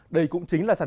đây cũng chính là sản phẩm